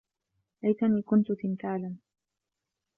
ليتني كنت تمثالا.